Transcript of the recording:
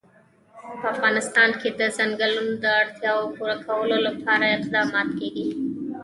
په افغانستان کې د ځنګلونه د اړتیاوو پوره کولو لپاره اقدامات کېږي.